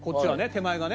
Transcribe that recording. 手前がね